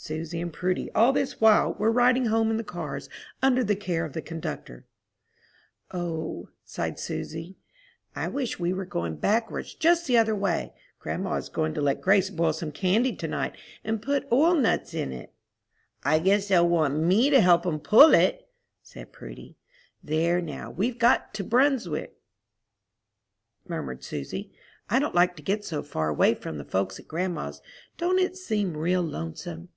Susy and Prudy, all this while, were riding home in the cars, under the care of the conductor. "O," sighed Susy, "I wish we were going backwards, just the other way. Grandma is going to let Grace boil some candy to night, and put oilnuts in it." "I guess they'll want me to help 'em pull it," said Prudy. "There, now, we've got to Brunswick," murmured Susy. "I don't like to get so far away from the folks at grandma's. Don't it seem real lonesome?"